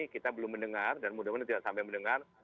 kita belum mendengar dan mudah mudahan tidak sampai mendengar